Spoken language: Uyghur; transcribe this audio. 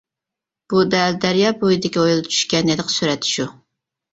بۇ دەل دەريا بويىدىكى ھويلىدا چۈشكەن ھېلىقى سۈرەت شۇ.